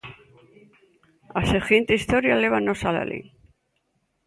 A seguinte historia lévanos a Lalín.